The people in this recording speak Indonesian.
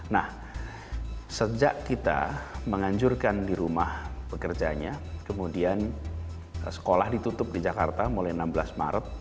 nah sejak kita menganjurkan di rumah pekerjanya kemudian sekolah ditutup di jakarta mulai enam belas maret